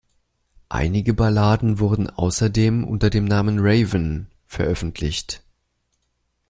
Einige Balladen wurden außerdem unter dem Namen Raven veröffentlicht.